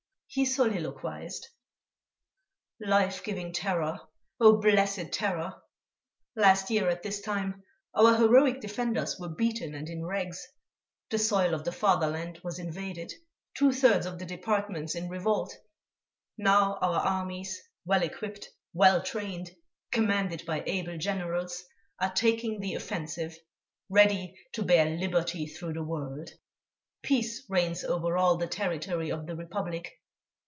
He soliloquized: "Life giving terror, oh! blessed terror! Last year at this time, our heroic defenders were beaten and in rags, the soil of the fatherland was invaded, two thirds of the departments in revolt. Now our armies, well equipped, well trained, commanded by able generals, are taking the offensive, ready to bear liberty through the world. Peace reigns over all the territory of the Republic....